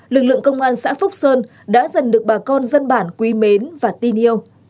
lực lượng công an xã phúc sơn đã dần được bà con dân bản quý mến và tin yêu